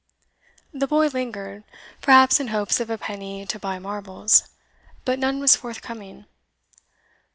The boy lingered, perhaps in hopes of a penny to buy marbles; but none was forthcoming.